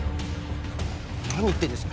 何言ってんです